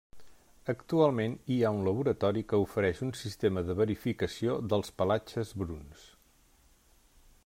Actualment hi ha un laboratori que ofereix un sistema de verificació dels pelatges bruns.